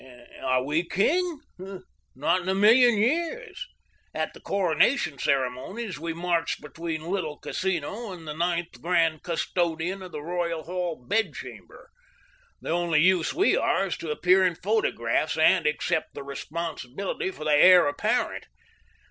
Are we king? Not in a million years. At the coronation ceremonies we march between little casino and the Ninth Grand Custodian of the Royal Hall Bedchamber. The only use we are is to appear in photographs, and accept the responsibility for the heir apparent.